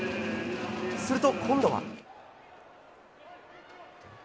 すると今度は。